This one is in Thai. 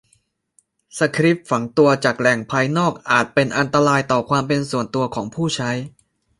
สคริปต์ฝังตัวจากแหล่งภายนอกอาจเป็นอันตรายต่อความเป็นส่วนตัวของผู้ใช้